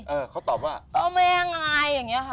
เออเขาตอบว่าเอามายังไงอย่างนี้ค่ะ